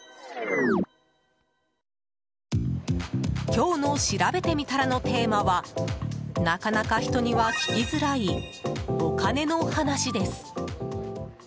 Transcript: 今日のしらべてみたらのテーマはなかなか人には聞きづらいお金の話です。